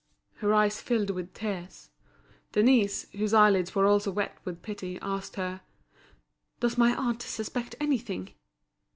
Her eyes filled with tears. Denise, whose eyelids were also wet with pity, asked her: "Does my aunt suspect anything?"